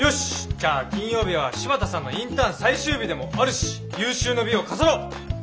じゃあ金曜日は柴田さんのインターン最終日でもあるし有終の美を飾ろう！